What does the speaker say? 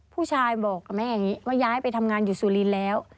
ผู้ชายบอกกับแม่อย่างนี้ว่าย้ายไปทำงานอยู่สุรินทร์แล้ว